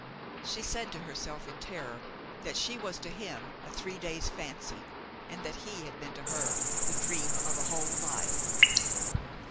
She said to herself in terror that she was to him a three days' fancy and that he had been to her the dream of a whole life.